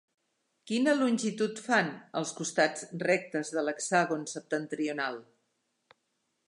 Quina longitud fan els costats rectes de l'hexàgon septentrional?